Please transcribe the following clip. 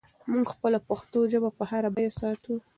موږ خپله پښتو ژبه په هره بیه ساتو.